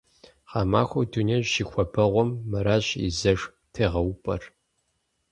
Гъэмахуэу дунейм щихуабэгъуэм мыращ и зэш тегъэупӀэр.